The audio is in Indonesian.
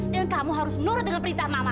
dan kamu harus nurut dengan perintah mama